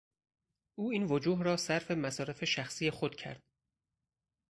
او این وجوه را صرف مصارف شخصی خود کرد.